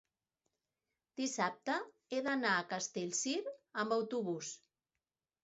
dissabte he d'anar a Castellcir amb autobús.